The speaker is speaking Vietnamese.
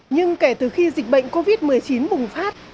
nhưng kể từ khi dịch bệnh covid một mươi chín bùng phát